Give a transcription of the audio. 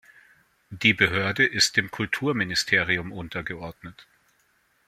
Die Behörde ist dem Kulturministerium untergeordnet.